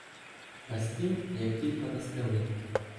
На стіл як тілько настели